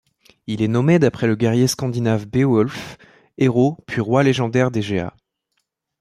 Il est nommé d'après le guerrier scandinave Beowulf, héros puis roi légendaire des Geats.